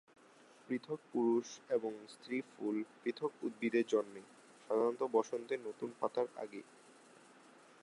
পৃথক পুরুষ এবং স্ত্রী ফুল পৃথক উদ্ভিদে জন্মে, সাধারণত বসন্তে নতুন পাতার আগে।